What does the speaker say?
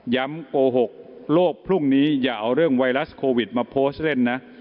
โกหกโลกพรุ่งนี้อย่าเอาเรื่องไวรัสโควิดมาโพสต์เล่นนะ